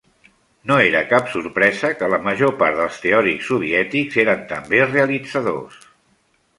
No era cap sorpresa que la major part dels teòrics soviètics eren també realitzadors.